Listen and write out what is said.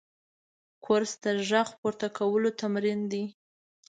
کورس د غږ پورته کولو تمرین دی.